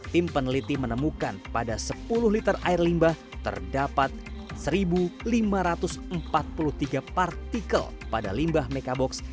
tim peneliti menemukan pada sepuluh liter air limbah terdapat satu lima ratus empat puluh tiga partikel pada limbah mekabox